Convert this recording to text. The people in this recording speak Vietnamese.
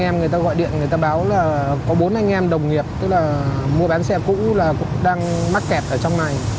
mấy anh em đồng nghiệp mua bán xe cũ cũng đang mắc kẹt ở trong này